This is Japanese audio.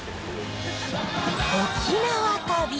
沖縄旅。